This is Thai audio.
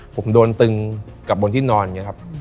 ผมโดนตึงกลับบนที่นอนอย่างนี้ครับ